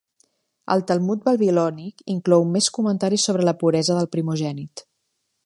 El Talmud babilònic inclou més comentaris sobre la puresa del primogènit.